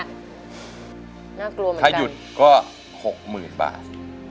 น่ากลัวเหมือนกันอเรนนี่ถ้าหยุดก็๖หมื่นบาท